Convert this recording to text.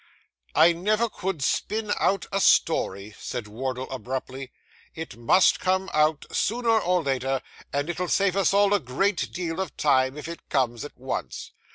'I never could spin out a story,' said Wardle abruptly. 'It must come out, sooner or later, and it'll save us all a great deal of time if it comes at once.